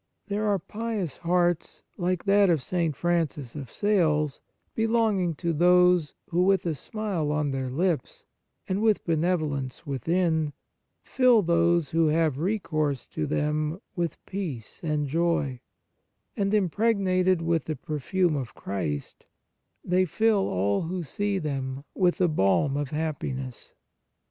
There are pious hearts, like that of St. Francis of Sales, belonging to those who, with a smile on their lips, and with benevolence within, fill those who have recourse to them with peace and joy ; and, impregnated with the perfume of Christ,* they fill all who see them with the balm of happiness.